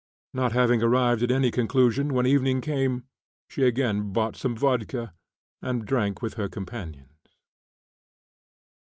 Not having arrived at any conclusion when evening came, she again bought some vodka and drank with her companions.